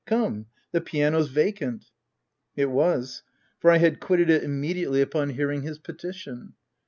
Come ! the piano's vacant." It was; for I had quitted it immediately upon Q 3 346 THE TENANT hearing his petition.